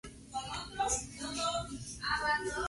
Espata de color blanco o verde, oblongo-ovadas.